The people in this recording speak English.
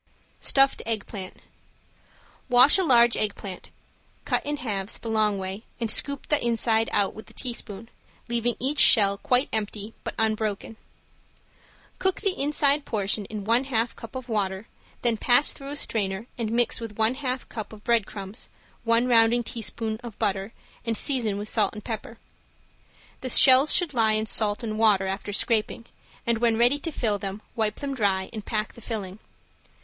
~STUFFED EGG PLANT~ Wash a large egg plant, cut in halves the long way and scoop the inside out with a teaspoon, leaving each shell quite empty, but unbroken. Cook the inside portion in one half cup of water, then press through a strainer and mix with one half cup of bread crumbs, one rounding tablespoon of butter and season with salt and pepper. The shells should lie in salt and water after scraping, and when ready to fill them wipe them dry and pack the filling.